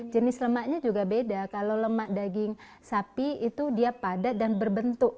jenis lemaknya juga beda kalau lemak daging sapi itu dia padat dan berbentuk